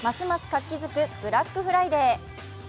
活気づくブラックフライデー。